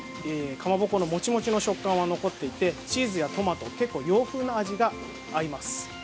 かまぼこのモチモチの食感は残っていてチーズやトマト結構、洋風な味が合います。